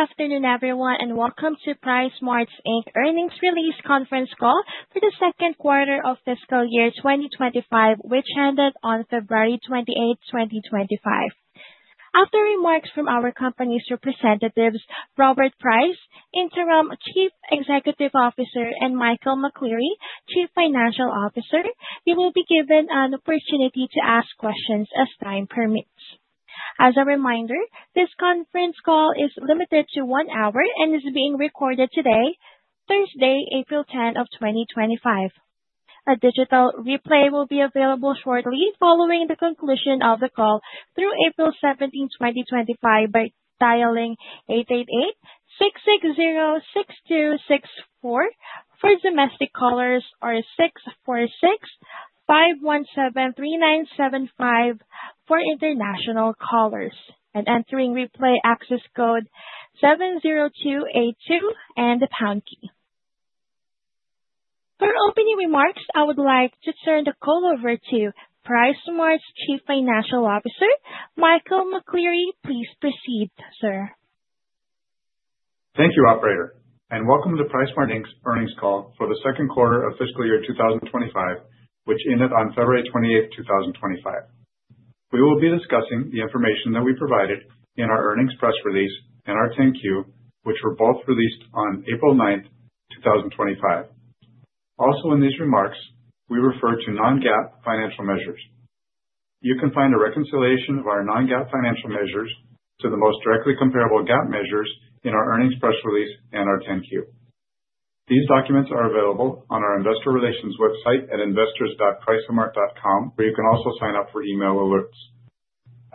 Good afternoon, everyone, and welcome to PriceSmart's eighth earnings release conference call for the second quarter of fiscal year 2025, which ended on February 28, 2025. After remarks from our company's representatives, Robert Price, Interim Chief Executive Officer, and Michael McCleary, Chief Financial Officer, you will be given an opportunity to ask questions as time permits. As a reminder, this conference call is limited to one hour and is being recorded today, Thursday, April 10, 2025. A digital replay will be available shortly following the conclusion of the call through April 17, 2025, by dialing 888-660-6264 for domestic callers or 646-517-3975 for international callers, and entering replay access code 70282 and the pound key. For opening remarks, I would like to turn the call over to PriceSmart's Chief Financial Officer, Michael McCleary. Please proceed, sir. Thank you, Operator, and welcome to PriceSmart's earnings call for the second quarter of fiscal year 2025, which ended on February 28, 2025. We will be discussing the information that we provided in our earnings press release and our 10-Q, which were both released on April 9, 2025. Also, in these remarks, we refer to non-GAAP financial measures. You can find a reconciliation of our non-GAAP financial measures to the most directly comparable GAAP measures in our earnings press release and our 10-Q. These documents are available on our investor relations website at investors.pricesmart.com, where you can also sign up for email alerts.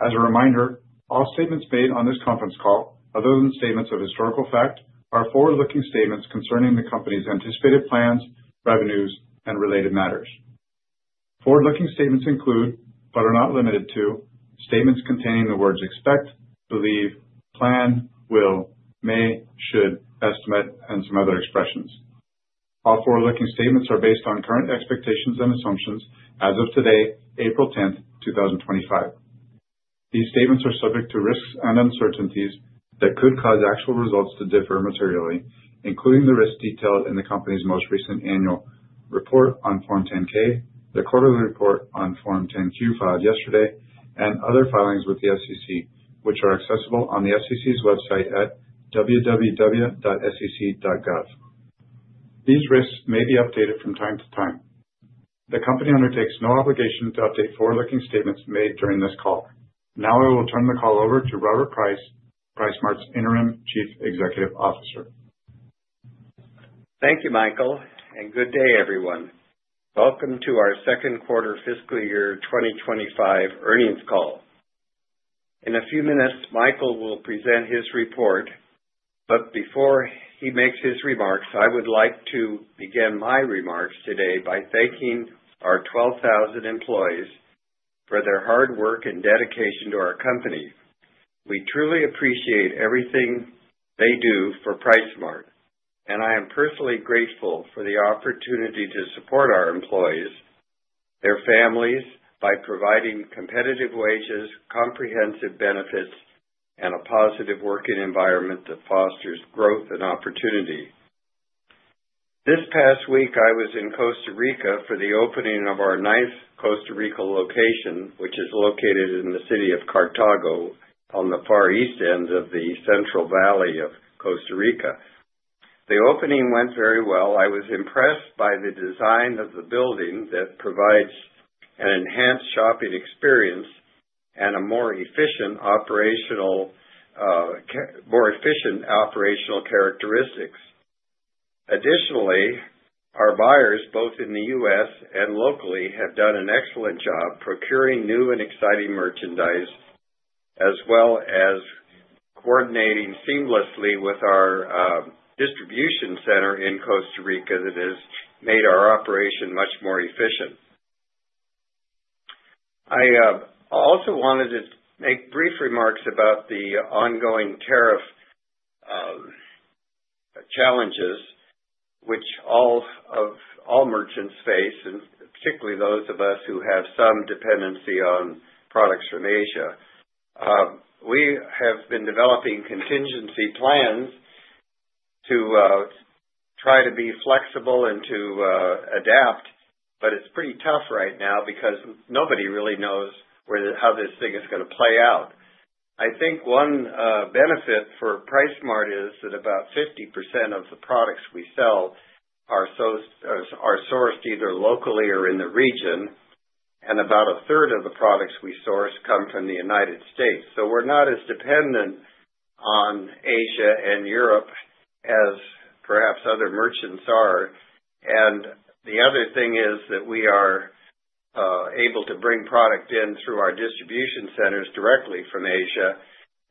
As a reminder, all statements made on this conference call, other than statements of historical fact, are forward-looking statements concerning the company's anticipated plans, revenues, and related matters. Forward-looking statements include, but are not limited to, statements containing the words expect, believe, plan, will, may, should, estimate, and some other expressions. All forward-looking statements are based on current expectations and assumptions as of today, April 10, 2025. These statements are subject to risks and uncertainties that could cause actual results to differ materially, including the risks detailed in the company's most recent annual report on Form 10-K, the quarterly report on Form 10-Q filed yesterday, and other filings with the SEC, which are accessible on the SEC's website at www.sec.gov. These risks may be updated from time to time. The company undertakes no obligation to update forward-looking statements made during this call. Now I will turn the call over to Robert Price, PriceSmart's Interim Chief Executive Officer. Thank you, Michael, and good day, everyone. Welcome to our second quarter fiscal year 2025 earnings call. In a few minutes, Michael will present his report, but before he makes his remarks, I would like to begin my remarks today by thanking our 12,000 employees for their hard work and dedication to our company. We truly appreciate everything they do for PriceSmart, and I am personally grateful for the opportunity to support our employees, their families, by providing competitive wages, comprehensive benefits, and a positive working environment that fosters growth and opportunity. This past week, I was in Costa Rica for the opening of our ninth Costa Rica location, which is located in the city of Cartago on the far east end of the Central Valley of Costa Rica. The opening went very well. I was impressed by the design of the building that provides an enhanced shopping experience and more efficient operational characteristics. Additionally, our buyers, both in the U.S. and locally, have done an excellent job procuring new and exciting merchandise, as well as coordinating seamlessly with our distribution center in Costa Rica that has made our operation much more efficient. I also wanted to make brief remarks about the ongoing tariff challenges, which all merchants face, and particularly those of us who have some dependency on products from Asia. We have been developing contingency plans to try to be flexible and to adapt, but it's pretty tough right now because nobody really knows how this thing is going to play out. I think one benefit for PriceSmart is that about 50% of the products we sell are sourced either locally or in the region, and about a third of the products we source come from the United States. We are not as dependent on Asia and Europe as perhaps other merchants are. The other thing is that we are able to bring product in through our distribution centers directly from Asia,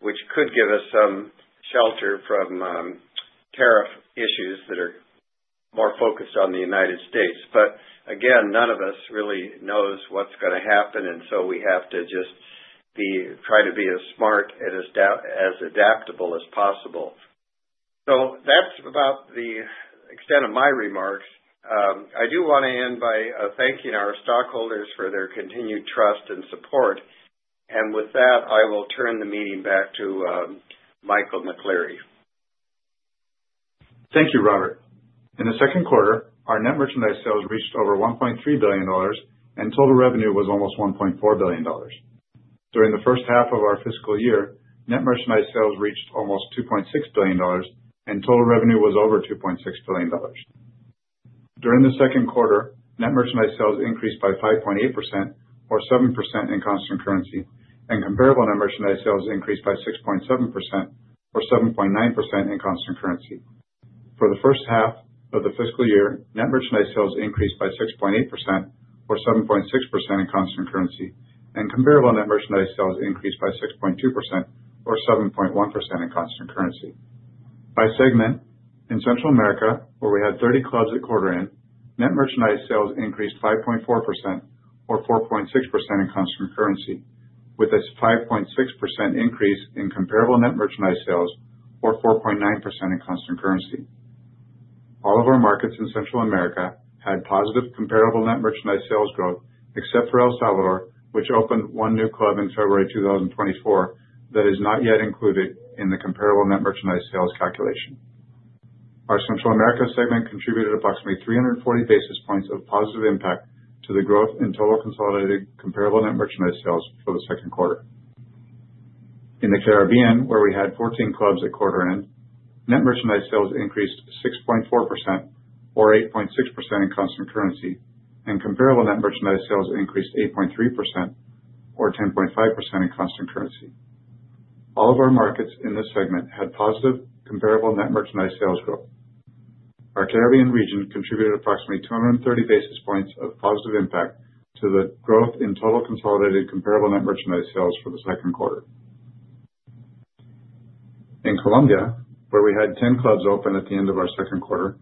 which could give us some shelter from tariff issues that are more focused on the United States. Again, none of us really knows what is going to happen, and we have to just try to be as smart and as adaptable as possible. That is about the extent of my remarks. I do want to end by thanking our stockholders for their continued trust and support. With that, I will turn the meeting back to Michael McCleary. Thank you, Robert. In the second quarter, our net merchandise sales reached over $1.3 billion, and total revenue was almost $1.4 billion. During the first half of our fiscal year, net merchandise sales reached almost $2.6 billion, and total revenue was over $2.6 billion. During the second quarter, net merchandise sales increased by 5.8% or 7% in constant currency, and comparable net merchandise sales increased by 6.7% or 7.9% in constant currency. For the first half of the fiscal year, net merchandise sales increased by 6.8% or 7.6% in constant currency, and comparable net merchandise sales increased by 6.2% or 7.1% in constant currency. By segment, in Central America, where we had 30 clubs at quarter end, net merchandise sales increased 5.4% or 4.6% in constant currency, with a 5.6% increase in comparable net merchandise sales or 4.9% in constant currency. All of our markets in Central America had positive comparable net merchandise sales growth, except for El Salvador, which opened one new club in February 2024 that is not yet included in the comparable net merchandise sales calculation. Our Central America segment contributed approximately 340 basis points of positive impact to the growth in total consolidated comparable net merchandise sales for the second quarter. In the Caribbean, where we had 14 clubs at quarter end, net merchandise sales increased 6.4% or 8.6% in constant currency, and comparable net merchandise sales increased 8.3% or 10.5% in constant currency. All of our markets in this segment had positive comparable net merchandise sales growth. Our Caribbean region contributed approximately 230 basis points of positive impact to the growth in total consolidated comparable net merchandise sales for the second quarter. In Colombia, where we had 10 clubs open at the end of our second quarter,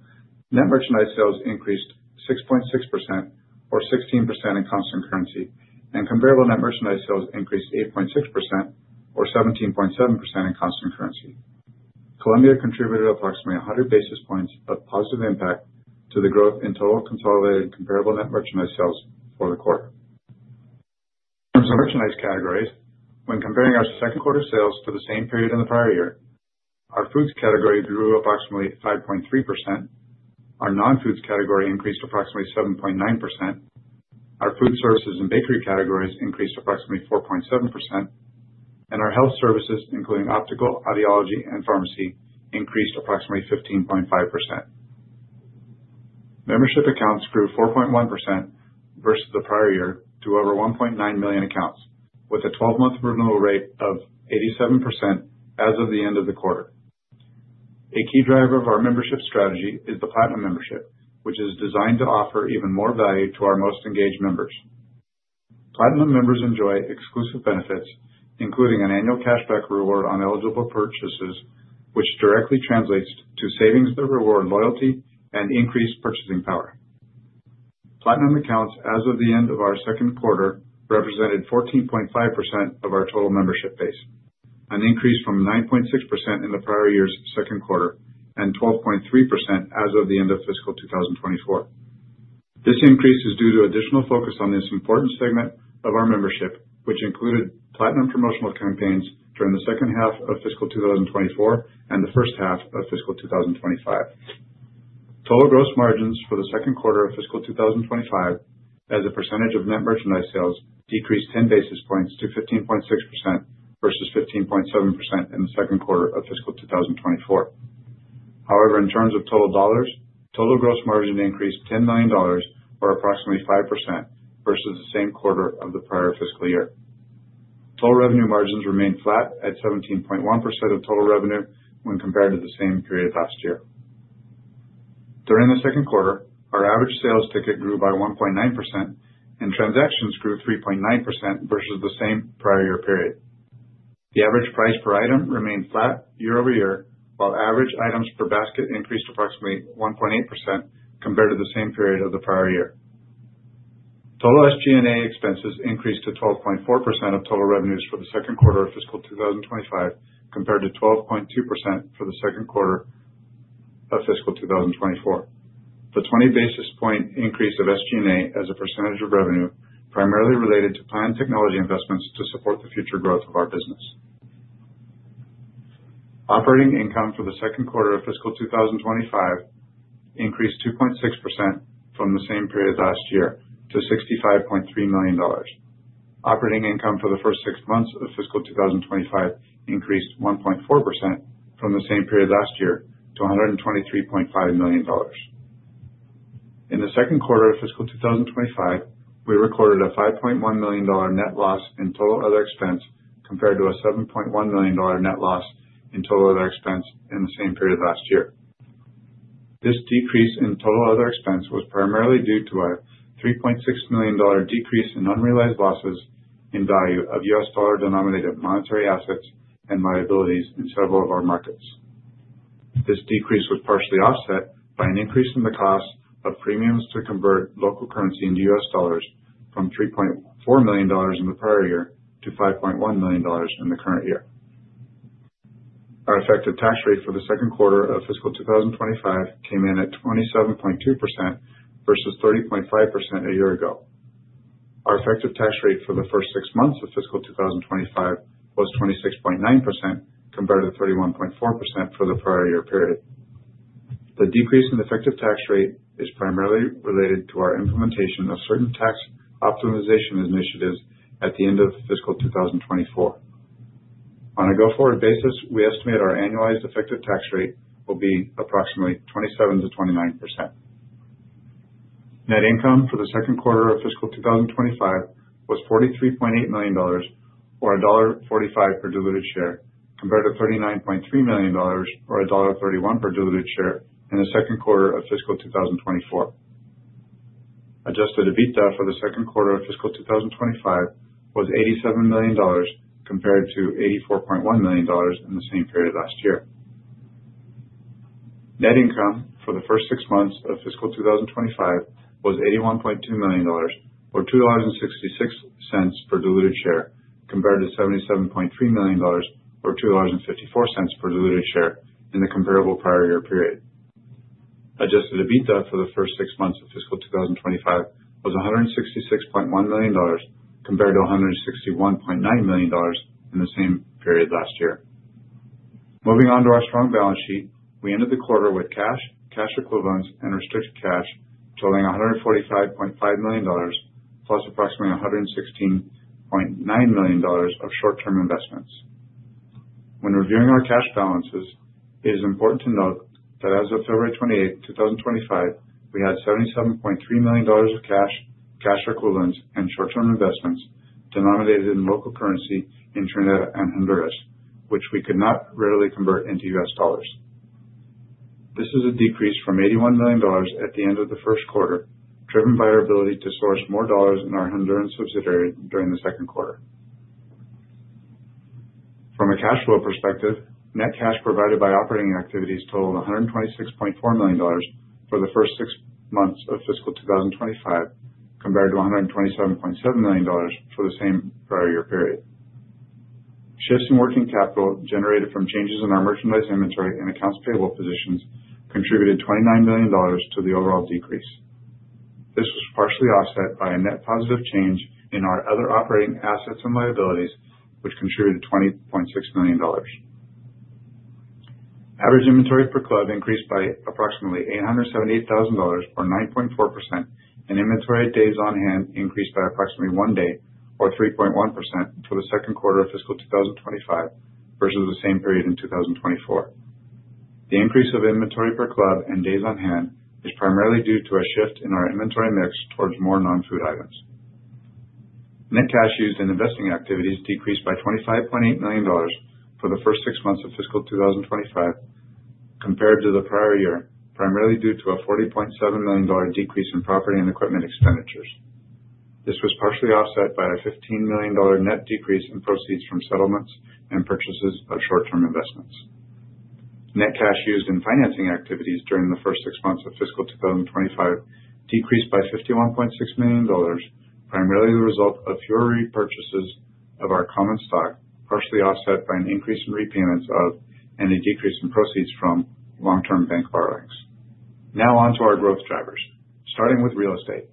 net merchandise sales increased 6.6% or 16% in constant currency, and comparable net merchandise sales increased 8.6% or 17.7% in constant currency. Colombia contributed approximately 100 basis points of positive impact to the growth in total consolidated comparable net merchandise sales for the quarter. In terms of merchandise categories, when comparing our second quarter sales to the same period in the prior year, our foods category grew approximately 5.3%, our non-foods category increased approximately 7.9%, our food services and bakery categories increased approximately 4.7%, and our health services, including optical, audiology, and pharmacy, increased approximately 15.5%. Membership accounts grew 4.1% versus the prior year to over 1.9 million accounts, with a 12-month renewal rate of 87% as of the end of the quarter. A key driver of our membership strategy is the Platinum membership, which is designed to offer even more value to our most engaged members. Platinum members enjoy exclusive benefits, including an annual cashback reward on eligible purchases, which directly translates to savings that reward loyalty and increased purchasing power. Platinum accounts as of the end of our second quarter represented 14.5% of our total membership base, an increase from 9.6% in the prior year's second quarter and 12.3% as of the end of fiscal 2024. This increase is due to additional focus on this important segment of our membership, which included Platinum promotional campaigns during the second half of fiscal 2024 and the first half of fiscal 2025. Total gross margins for the second quarter of fiscal 2025, as a percentage of net merchandise sales, decreased 10 basis points to 15.6% versus 15.7% in the second quarter of fiscal 2024. However, in terms of total dollars, total gross margin increased $10 million, or approximately 5%, versus the same quarter of the prior fiscal year. Total revenue margins remained flat at 17.1% of total revenue when compared to the same period last year. During the second quarter, our average sales ticket grew by 1.9%, and transactions grew 3.9% versus the same prior year period. The average price per item remained flat year over year, while average items per basket increased approximately 1.8% compared to the same period of the prior year. Total SG&A expenses increased to 12.4% of total revenues for the second quarter of fiscal 2025, compared to 12.2% for the second quarter of fiscal 2024. The 20 basis point increase of SG&A as a percentage of revenue primarily related to planned technology investments to support the future growth of our business. Operating income for the second quarter of fiscal 2025 increased 2.6% from the same period last year to $65.3 million. Operating income for the first six months of fiscal 2025 increased 1.4% from the same period last year to $123.5 million. In the second quarter of fiscal 2025, we recorded a $5.1 million net loss in total other expense compared to a $7.1 million net loss in total other expense in the same period last year. This decrease in total other expense was primarily due to a $3.6 million decrease in unrealized losses in value of U.S. dollar-denominated monetary assets and liabilities in several of our markets. This decrease was partially offset by an increase in the cost of premiums to convert local currency into U.S. dollars from $3.4 million in the prior year to $5.1 million in the current year. Our effective tax rate for the second quarter of fiscal 2025 came in at 27.2% versus 30.5% a year ago. Our effective tax rate for the first six months of fiscal 2025 was 26.9% compared to 31.4% for the prior year period. The decrease in effective tax rate is primarily related to our implementation of certain tax optimization initiatives at the end of fiscal 2024. On a go-forward basis, we estimate our annualized effective tax rate will be approximately 27-29%. Net income for the second quarter of fiscal 2025 was $43.8 million, or $1.45 per diluted share, compared to $39.3 million, or $1.31 per diluted share in the second quarter of fiscal 2024. Adjusted EBITDA for the second quarter of fiscal 2025 was $87 million compared to $84.1 million in the same period last year. Net income for the first six months of fiscal 2025 was $81.2 million, or $2.66 per diluted share, compared to $77.3 million, or $2.54 per diluted share in the comparable prior year period. Adjusted EBITDA for the first six months of fiscal 2025 was $166.1 million, compared to $161.9 million in the same period last year. Moving on to our strong balance sheet, we ended the quarter with cash, cash equivalents, and restricted cash totaling $145.5 million, plus approximately $116.9 million of short-term investments. When reviewing our cash balances, it is important to note that as of February 28, 2025, we had $77.3 million of cash, cash equivalents, and short-term investments denominated in local currency in Trinidad and Honduras, which we could not readily convert into U.S. dollars. This is a decrease from $81 million at the end of the first quarter, driven by our ability to source more dollars in our Honduran subsidiary during the second quarter. From a cash flow perspective, net cash provided by operating activities totaled $126.4 million for the first six months of fiscal 2025, compared to $127.7 million for the same prior year period. Shifts in working capital generated from changes in our merchandise inventory and accounts payable positions contributed $29 million to the overall decrease. This was partially offset by a net positive change in our other operating assets and liabilities, which contributed $20.6 million. Average inventory per club increased by approximately $878,000, or 9.4%, and inventory days on hand increased by approximately one day, or 3.1%, for the second quarter of fiscal 2025 versus the same period in 2024. The increase of inventory per club and days on hand is primarily due to a shift in our inventory mix towards more non-food items. Net cash used in investing activities decreased by $25.8 million for the first six months of fiscal 2025, compared to the prior year, primarily due to a $40.7 million decrease in property and equipment expenditures. This was partially offset by a $15 million net decrease in proceeds from settlements and purchases of short-term investments. Net cash used in financing activities during the first six months of fiscal 2025 decreased by $51.6 million, primarily the result of fewer repurchases of our common stock, partially offset by an increase in repayments of and a decrease in proceeds from long-term bank borrowings. Now on to our growth drivers, starting with real estate.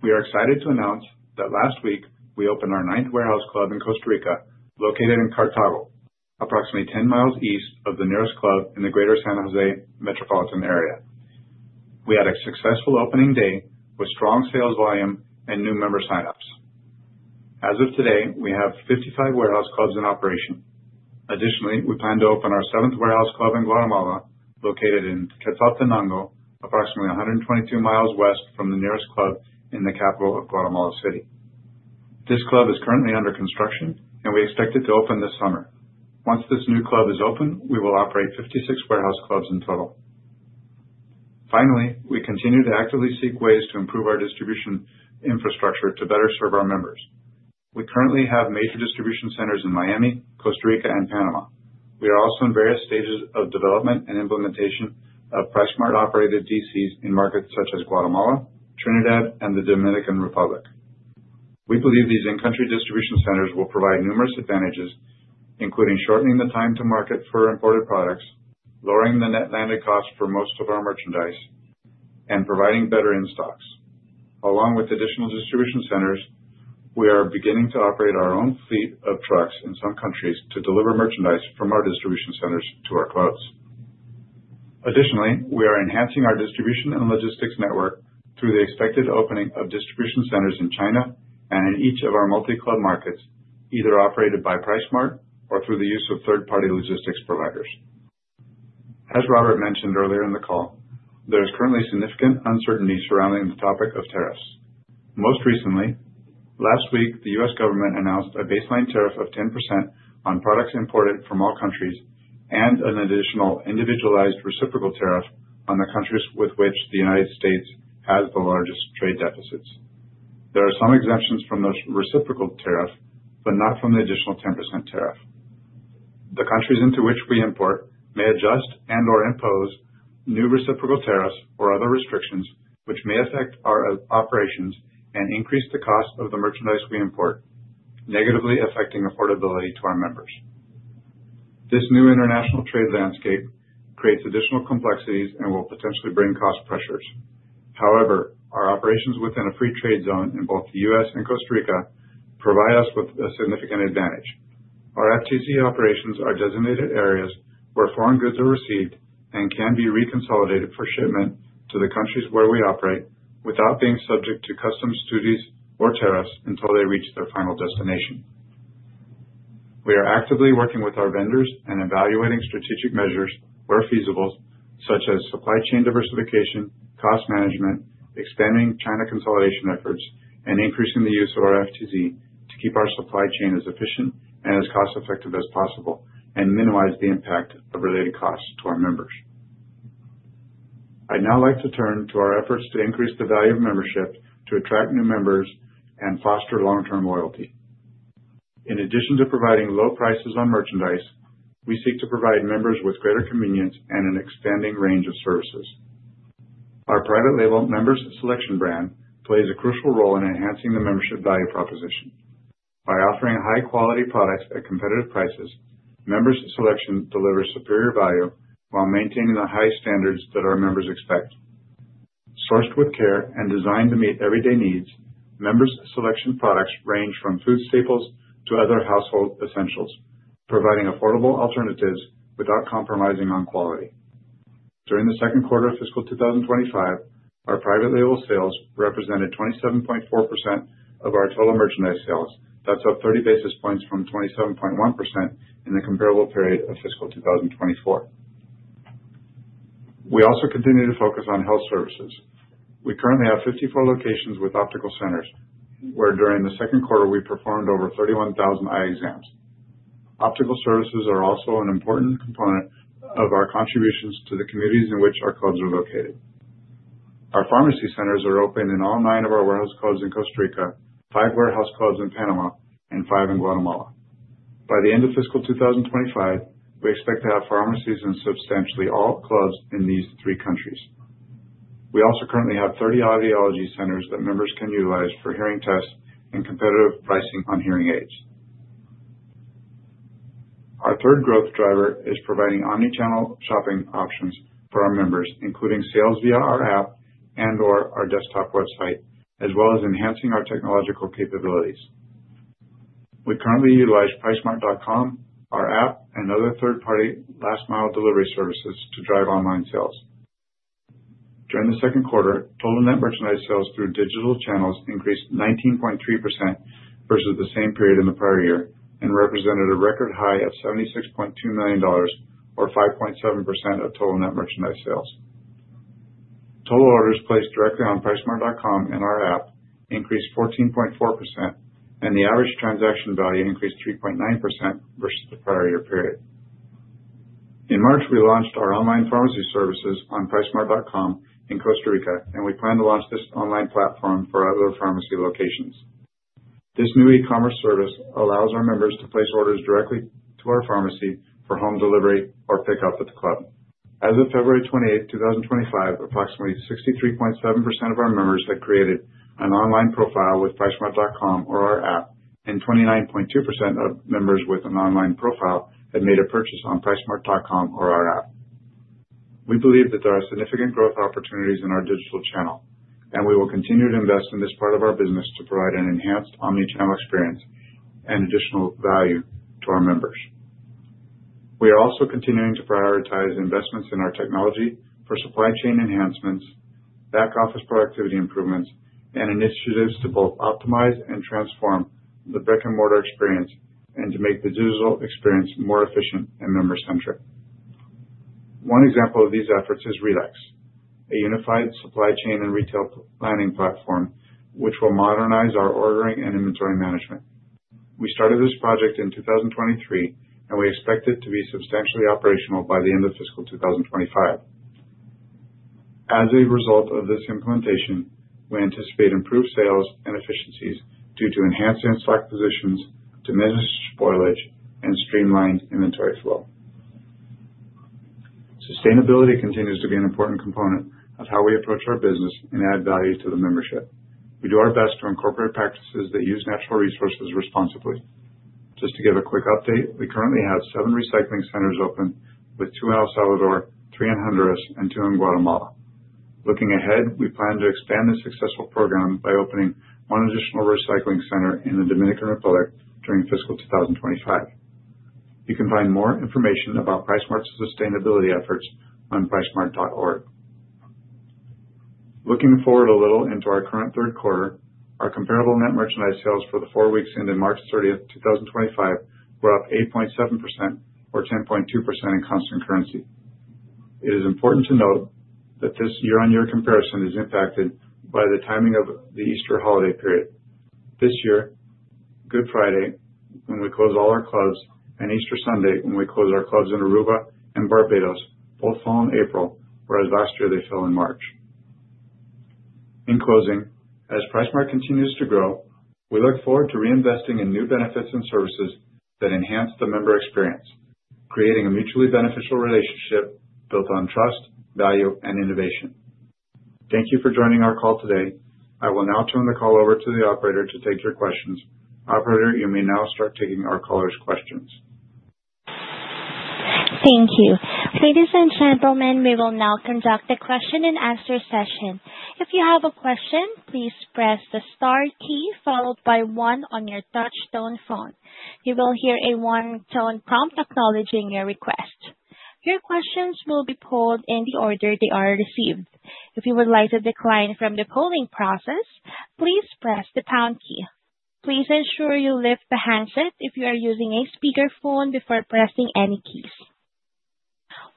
We are excited to announce that last week we opened our ninth warehouse club in Costa Rica, located in Cartago, approximately 10 mi east of the nearest club in the greater San Jose Metropolitan area. We had a successful opening day with strong sales volume and new member signups. As of today, we have 55 warehouse clubs in operation. Additionally, we plan to open our seventh warehouse club in Guatemala, located in Quetzaltenango, approximately 122 mi west from the nearest club in the capital of Guatemala City. This club is currently under construction, and we expect it to open this summer. Once this new club is open, we will operate 56 warehouse clubs in total. Finally, we continue to actively seek ways to improve our distribution infrastructure to better serve our members. We currently have major distribution centers in Miami, Costa Rica, and Panama. We are also in various stages of development and implementation of PriceSmart operated DCs in markets such as Guatemala, Trinidad, and the Dominican Republic. We believe these in-country distribution centers will provide numerous advantages, including shortening the time to market for imported products, lowering the net landed cost for most of our merchandise, and providing better in-stocks. Along with additional distribution centers, we are beginning to operate our own fleet of trucks in some countries to deliver merchandise from our distribution centers to our clubs. Additionally, we are enhancing our distribution and logistics network through the expected opening of distribution centers in China and in each of our multi-club markets, either operated by PriceSmart or through the use of third-party logistics providers. As Robert mentioned earlier in the call, there is currently significant uncertainty surrounding the topic of tariffs. Most recently, last week, the U.S. government announced a baseline tariff of 10% on products imported from all countries and an additional individualized reciprocal tariff on the countries with which the U.S. has the largest trade deficits. There are some exemptions from the reciprocal tariff, but not from the additional 10% tariff. The countries into which we import may adjust and/or impose new reciprocal tariffs or other restrictions which may affect our operations and increase the cost of the merchandise we import, negatively affecting affordability to our members. This new international trade landscape creates additional complexities and will potentially bring cost pressures. However, our operations within a free trade zone in both the U.S. and Costa Rica provide us with a significant advantage. Our FTZ operations are designated areas where foreign goods are received and can be reconsolidated for shipment to the countries where we operate without being subject to customs duties or tariffs until they reach their final destination. We are actively working with our vendors and evaluating strategic measures where feasible, such as supply chain diversification, cost management, expanding China consolidation efforts, and increasing the use of our FTZ to keep our supply chain as efficient and as cost-effective as possible and minimize the impact of related costs to our members. I'd now like to turn to our efforts to increase the value of membership to attract new members and foster long-term loyalty. In addition to providing low prices on merchandise, we seek to provide members with greater convenience and an expanding range of services. Our private label Member's Selection brand plays a crucial role in enhancing the membership value proposition. By offering high-quality products at competitive prices, Member's Selection delivers superior value while maintaining the high standards that our members expect. Sourced with care and designed to meet everyday needs, Member's Selection products range from food staples to other household essentials, providing affordable alternatives without compromising on quality. During the second quarter of fiscal 2025, our private label sales represented 27.4% of our total merchandise sales. That's up 30 basis points from 27.1% in the comparable period of fiscal 2024. We also continue to focus on health services. We currently have 54 locations with optical centers where during the second quarter we performed over 31,000 eye exams. Optical services are also an important component of our contributions to the communities in which our clubs are located. Our pharmacy centers are open in all nine of our warehouse clubs in Costa Rica, five warehouse clubs in Panama, and five in Guatemala. By the end of fiscal 2025, we expect to have pharmacies in substantially all clubs in these three countries. We also currently have 30 audiology centers that members can utilize for hearing tests and competitive pricing on hearing aids. Our third growth driver is providing omnichannel shopping options for our members, including sales via our app and/or our desktop website, as well as enhancing our technological capabilities. We currently utilize PriceSmart.com, our app, and other third-party last-mile delivery services to drive online sales. During the second quarter, total net merchandise sales through digital channels increased 19.3% versus the same period in the prior year and represented a record high of $76.2 million, or 5.7% of total net merchandise sales. Total orders placed directly on PriceSmart.com and our app increased 14.4%, and the average transaction value increased 3.9% versus the prior year period. In March, we launched our online pharmacy services on PriceSmart.com in Costa Rica, and we plan to launch this online platform for other pharmacy locations. This new e-commerce service allows our members to place orders directly to our pharmacy for home delivery or pickup at the club. As of February 28, 2025, approximately 63.7% of our members had created an online profile with PriceSmart.com or our app, and 29.2% of members with an online profile had made a purchase on PriceSmart.com or our app. We believe that there are significant growth opportunities in our digital channel, and we will continue to invest in this part of our business to provide an enhanced omnichannel experience and additional value to our members. We are also continuing to prioritize investments in our technology for supply chain enhancements, back office productivity improvements, and initiatives to both optimize and transform the brick-and-mortar experience and to make the digital experience more efficient and member-centric. One example of these efforts is RELEX, a unified supply chain and retail planning platform, which will modernize our ordering and inventory management. We started this project in 2023, and we expect it to be substantially operational by the end of fiscal 2025. As a result of this implementation, we anticipate improved sales and efficiencies due to enhanced in-stock positions, diminished spoilage, and streamlined inventory flow. Sustainability continues to be an important component of how we approach our business and add value to the membership. We do our best to incorporate practices that use natural resources responsibly. Just to give a quick update, we currently have seven recycling centers open with two in El Salvador, three in Honduras, and two in Guatemala. Looking ahead, we plan to expand this successful program by opening one additional recycling center in the Dominican Republic during fiscal 2025. You can find more information about PriceSmart's sustainability efforts on PriceSmart.org. Looking forward a little into our current third quarter, our comparable net merchandise sales for the four weeks ending March 30, 2025, were up 8.7%, or 10.2% in constant currency. It is important to note that this year-on-year comparison is impacted by the timing of the Easter holiday period. This year, Good Friday, when we close all our clubs, and Easter Sunday, when we close our clubs in Aruba and Barbados, both fall in April, whereas last year they fell in March. In closing, as PriceSmart continues to grow, we look forward to reinvesting in new benefits and services that enhance the member experience, creating a mutually beneficial relationship built on trust, value, and innovation. Thank you for joining our call today. I will now turn the call over to the operator to take your questions. Operator, you may now start taking our caller's questions. Thank you. Ladies and gentlemen, we will now conduct a question-and-answer session. If you have a question, please press the star key followed by one on your touch-tone phone. You will hear a one-tone prompt acknowledging your request. Your questions will be polled in the order they are received. If you would like to decline from the polling process, please press the pound key. Please ensure you lift the handset if you are using a speakerphone before pressing any keys.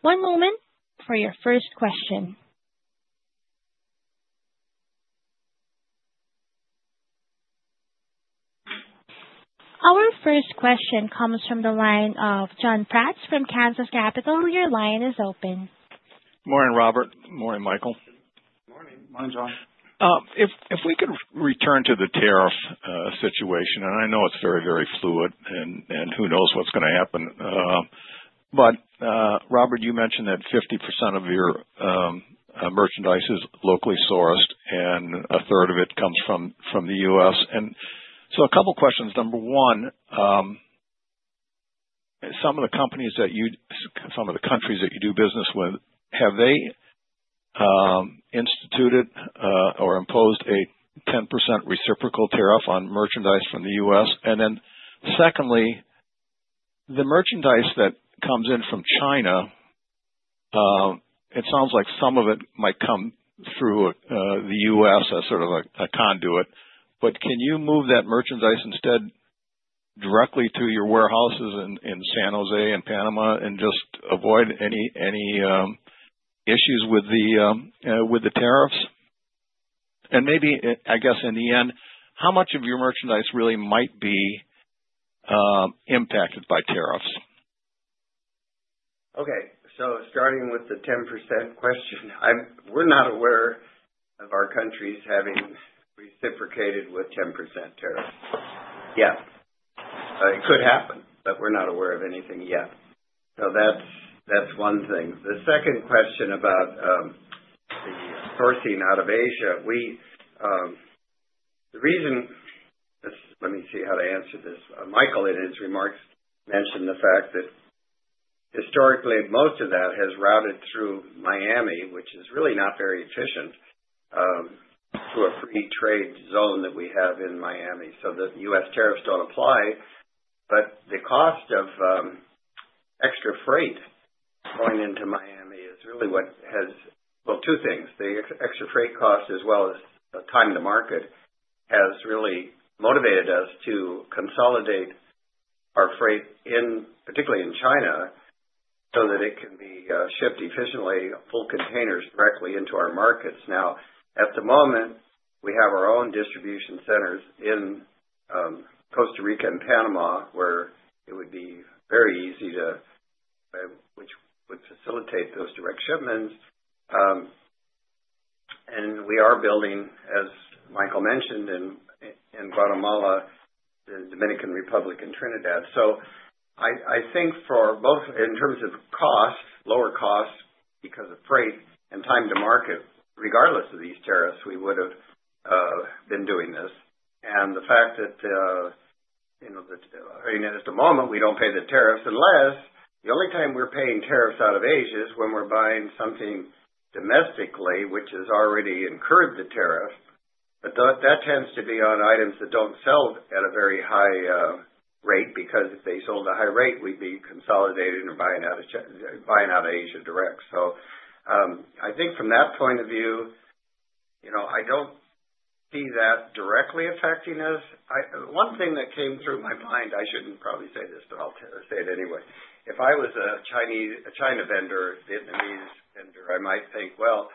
One moment for your first question. Our first question comes from the line of John Price from Kansas Capital. Your line is open. Morning, Robert. Morning, Michael. Morning. Morning, John. If we could return to the tariff situation, and I know it's very, very fluid, and who knows what's going to happen, but Robert, you mentioned that 50% of your merchandise is locally sourced, and a third of it comes from the U.S. A couple of questions. Number one, some of the countries that you do business with, have they instituted or imposed a 10% reciprocal tariff on merchandise from the U.S.? Secondly, the merchandise that comes in from China, it sounds like some of it might come through the U.S. As sort of a conduit, but can you move that merchandise instead directly to your warehouses in San Jose and Panama and just avoid any issues with the tariffs? Maybe, I guess, in the end, how much of your merchandise really might be impacted by tariffs? Okay. Starting with the 10% question, we're not aware of our countries having reciprocated with 10% tariffs. Yeah. It could happen, but we're not aware of anything yet. That's one thing. The second question about the sourcing out of Asia, the reason—let me see how to answer this. Michael in his remarks mentioned the fact that historically most of that has routed through Miami, which is really not very efficient to a free trade zone that we have in Miami so that U.S. tariffs don't apply. The cost of extra freight going into Miami is really what has—well, two things. The extra freight cost, as well as time to market, has really motivated us to consolidate our freight, particularly in China, so that it can be shipped efficiently, full containers directly into our markets. At the moment, we have our own distribution centers in Costa Rica and Panama where it would be very easy to—which would facilitate those direct shipments. We are building, as Michael mentioned, in Guatemala, the Dominican Republic, and Trinidad. I think for both in terms of cost, lower cost because of freight and time to market, regardless of these tariffs, we would have been doing this. The fact that, I mean, at the moment, we do not pay the tariffs unless the only time we are paying tariffs out of Asia is when we are buying something domestically, which has already incurred the tariff. That tends to be on items that do not sell at a very high rate because if they sold at a high rate, we would be consolidating or buying out of Asia direct. I think from that point of view, I do not see that directly affecting us. One thing that came through my mind—I should not probably say this, but I will say it anyway. If I was a China vendor, Vietnamese vendor, I might think, "Well,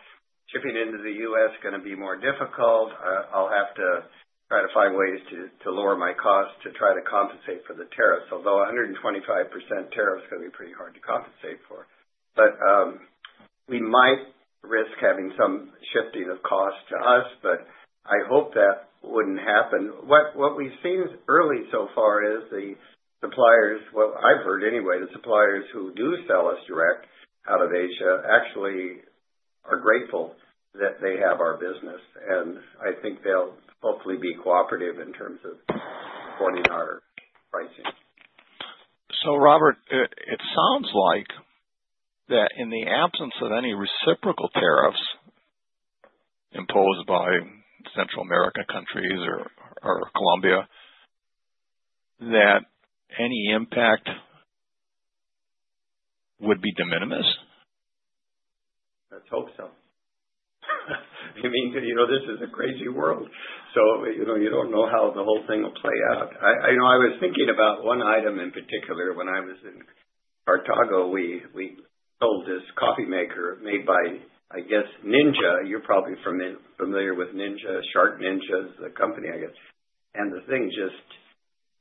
shipping into the U.S. is going to be more difficult. I will have to try to find ways to lower my costs to try to compensate for the tariffs." Although 125% tariff is going to be pretty hard to compensate for. We might risk having some shifting of cost to us, but I hope that would not happen. What we've seen early so far is the suppliers—well, I've heard anyway—the suppliers who do sell us direct out of Asia actually are grateful that they have our business. I think they'll hopefully be cooperative in terms of supporting our pricing. Robert, it sounds like that in the absence of any reciprocal tariffs imposed by Central America countries or Colombia, that any impact would be de minimis? Let's hope so. I mean, this is a crazy world. You don't know how the whole thing will play out. I was thinking about one item in particular. When I was in Cartago, we sold this coffee maker made by, I guess, Ninja. You're probably familiar with Ninja, SharkNinja is the company, I guess. The thing just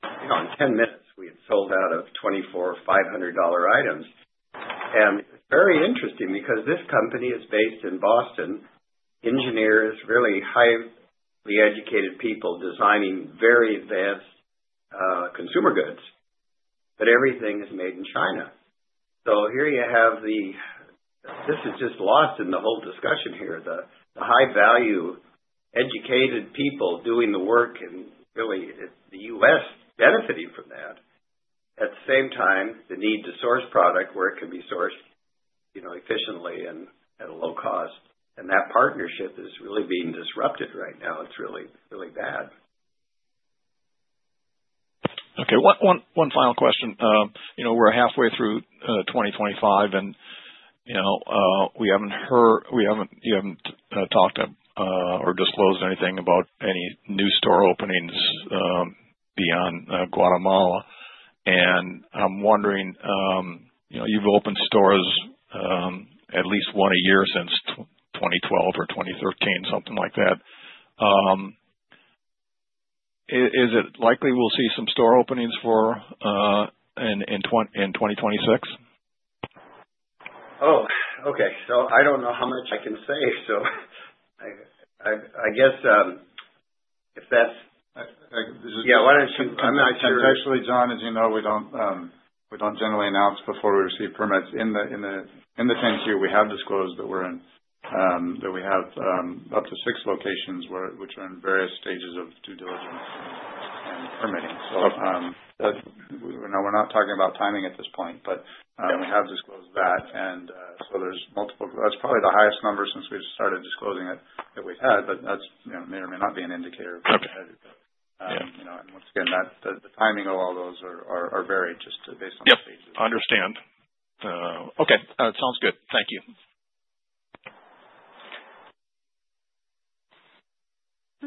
in 10 minutes, we had sold out of 24 $500 items. It is very interesting because this company is based in Boston, engineers, really highly educated people designing very advanced consumer goods. Everything is made in China. Here you have the—this is just lost in the whole discussion here, the high-value, educated people doing the work and really the U.S. benefiting from that. At the same time, the need to source product where it can be sourced efficiently and at a low cost. That partnership is really being disrupted right now. It is really, really bad. Okay. One final question. We are halfway through 2025, and we have not heard—we have not talked or disclosed anything about any new store openings beyond Guatemala. I am wondering, you have opened stores at least one a year since 2012 or 2013, something like that. Is it likely we will see some store openings in 2026? Oh, okay. I do not know how much I can say. I guess if that's—yeah, why don't you—I'm not sure. Potentially, John, as you know, we don't generally announce before we receive permits. In the same year, we have disclosed that we have up to six locations which are in various stages of due diligence and permitting. We're not talking about timing at this point, but we have disclosed that. There are multiple—that's probably the highest number since we've started disclosing it that we've had, but that may or may not be an indicator of—and once again, the timing of all those are varied just based on the stages. Yep. Understand. Okay. That sounds good. Thank you.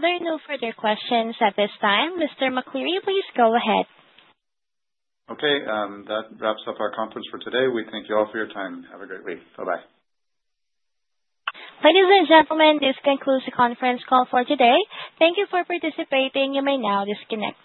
There are no further questions at this time. Mr. McCleary, please go ahead. Okay. That wraps up our conference for today. We thank you all for your time. Have a great week. Bye-bye. Ladies and gentlemen, this concludes the conference call for today. Thank you for participating. You may now disconnect.